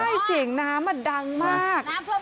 ใช่เสียงน้ำดังมากพ่อ